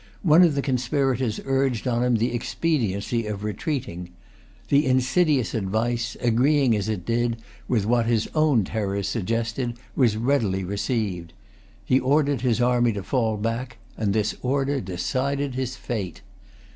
One of the conspirators urged on him the expediency of retreating. The insidious advice, agreeing as it did with what his own terrors suggested, was readily received. He ordered his army to fall back, and this order decided his fate.